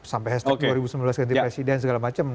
sampai hashtag dua ribu sembilan belas ganti presiden segala macam